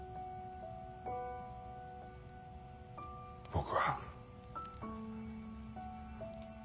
僕は。